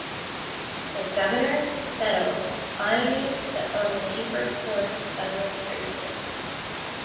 The Governor settled finally on the cheaper Port Douglas prices.